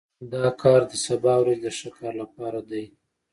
دا کار د سبا ورځې د ښه کار لپاره دی